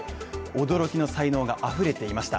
驚きの才能が溢れていました。